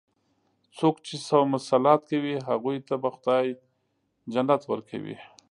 څوک چې صوم صلات کوي، هغوی ته به خدا جنت ورکوي.